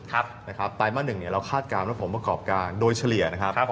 ไตรมาส๑เราคาดการณ์ว่าผลประกอบการโดยเฉลี่ยนะครับ